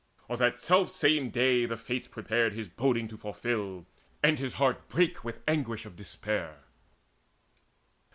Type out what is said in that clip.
On that selfsame day The Fates prepared his boding to fulfil; And his heart brake with anguish of despair.